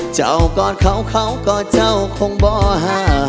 เจ้ากอดเขาเขาก็เจ้าคงบ่หา